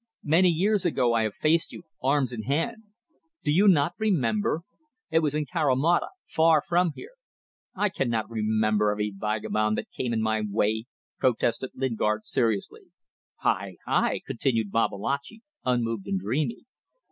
Many years ago I have faced you, arms in hand. Do you not remember? It was in Carimata far from here." "I cannot remember every vagabond that came in my way," protested Lingard, seriously. "Hai! Hai!" continued Babalatchi, unmoved and dreamy.